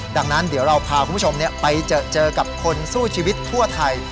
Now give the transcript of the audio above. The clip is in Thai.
ดังนั้นเดี๋ยวเราพาคุณผู้ชมไปเจอกับคนสู้ชีวิตทั่วไทย